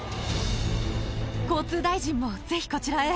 交通大臣もぜひこちらへ。